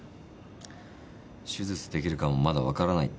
手術できるかもまだわからないって。